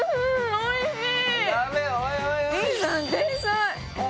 おいしい！